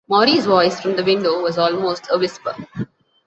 Maury's voice from the window was almost a whisper.